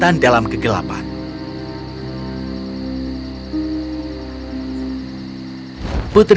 yang menyelamat dari bukit ketakutan yang pintar